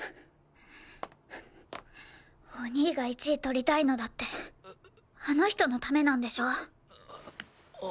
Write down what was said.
お兄が１位取りたいのだってあの人のためなんでしょ。